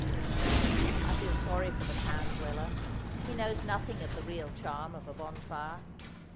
I feel sorry for the town dweller; he knows nothing of the real charm of a bonfire.